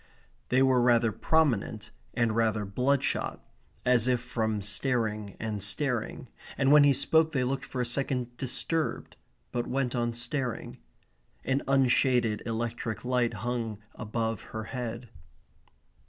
They were rather prominent, and rather bloodshot, as if from staring and staring, and when he spoke they looked for a second disturbed, but went on staring. An unshaded electric light hung above her head.